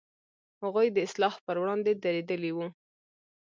هغوی د اصلاح پر وړاندې درېدلي و.